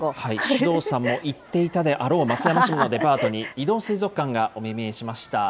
首藤さんも行っていたであろう松山市のデパートに、移動水族館がお目見えしました。